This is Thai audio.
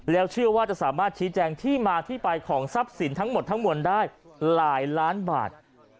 แล้วเชื่อว่าจะสามารถชี้แจงที่มาที่ไปของทรัพย์สินทั้งหมดทั้งมวลได้หลายล้านบาท